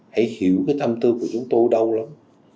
hãy hiểu cái thâm tư của chúng tôi đau lắm